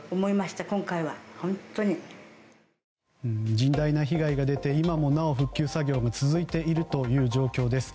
甚大な被害が出て今もなお復旧作業が続いているという状況です。